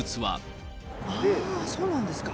あー、そうなんですか。